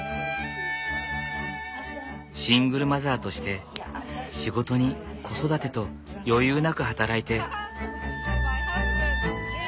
シングルマザーとして仕事に子育てと余裕なく働いて。